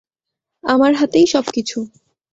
আমার হাতেই সব কিছু।